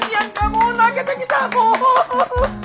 もう泣けてきたもう。